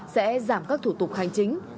sẽ giảm các thủ tục hành chính